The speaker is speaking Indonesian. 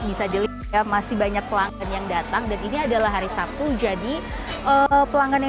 bisa dilihat masih banyak pelanggan yang datang dan ini adalah hari sabtu jadi pelanggan yang